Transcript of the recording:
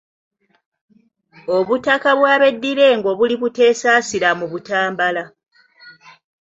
Obutaka bw'abeddira engo buli Buteesaasira mu Butambula.